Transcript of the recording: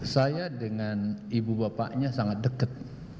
saya dengan ibu bapaknya sangat dekat